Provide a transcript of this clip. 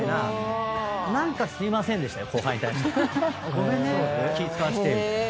ごめんね気ぃ使わせてみたいな。